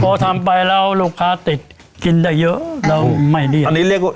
พอทำไปแล้วลูกค้าติดกินได้เยอะแล้วไม่ได้